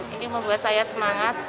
ini membuat saya semangat